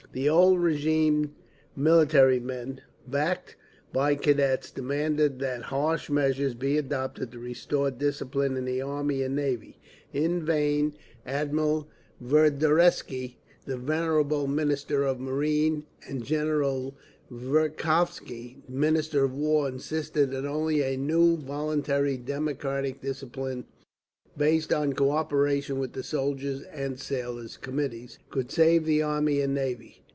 The old régime military men, backed by Cadets, demanded that harsh measures be adopted to restore discipline in the Army and the Navy. In vain Admiral Verderevsky, the venerable Minister of Marine, and General Verkhovsky, Minister of War, insisted that only a new, voluntary, democratic discipline, based on cooperation with the soldiers' and sailors' Committees, could save the army and navy.